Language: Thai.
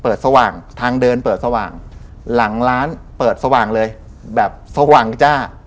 สว่างทางเดินเปิดสว่างหลังร้านเปิดสว่างเลยแบบสว่างจ้า